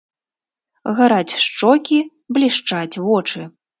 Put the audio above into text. Гараць шчокі, блішчаць вочы.